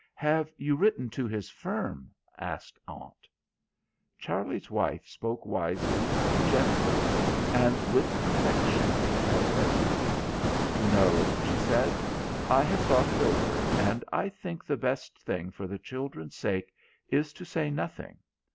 "Have you written to his firm?" asked Aunt. Charlie's wife spoke wisely, gently, and with perfection as ever. "No," she said. "I have thought it over, and I think the best thing, for the children's sake, is to say nothing.